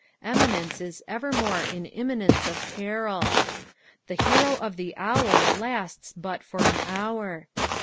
Eminence is evermore in imminence of peril. The heru of tlie hour lasts but for an hour.